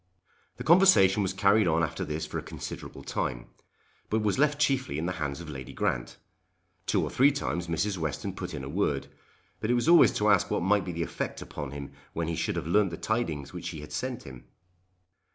The conversation was carried on after this for a considerable time, but was left chiefly in the hands of Lady Grant. Two or three times Mrs. Western put in a word, but it was always to ask what might be the effect upon him when he should have learned the tidings which she had sent him.